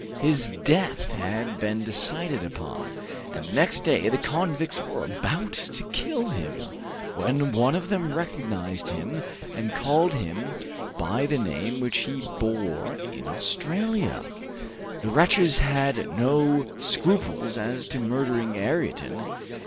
His death had been decided upon, and the next day the convicts were about to kill him, when one of them recognized him and called him by the name which he bore in Australia. The wretches had no scruples as to murdering Ayrton!